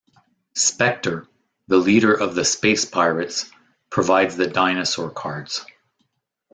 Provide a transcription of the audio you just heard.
Spectre, the leader of the Space Pirates, provides the dinosaur cards.